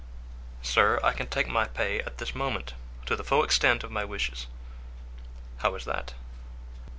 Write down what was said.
"Sir, I can take my pay at this moment, to the full extent of my wishes." "How is that?"